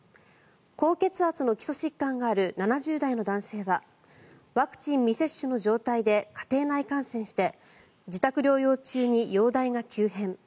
高血圧の基礎疾患がある７０代の男性はワクチン未接種の状態で家庭内感染して自宅療養中に容体が急変。